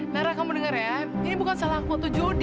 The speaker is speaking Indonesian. nara kamu dengar ya ini bukan salah aku foto jody